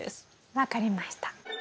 分かりました。